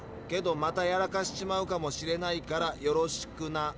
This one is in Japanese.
けどまたやらかしちまうかもしれないからよろしくな」。